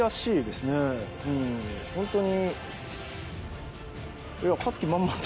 ホントに。